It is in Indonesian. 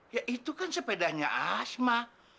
ya itu kan sepedanya asma